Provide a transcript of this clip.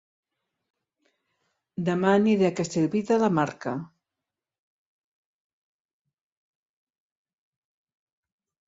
Dema aniré a Castellví de la Marca